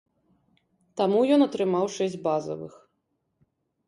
Таму ён атрымаў шэсць базавых.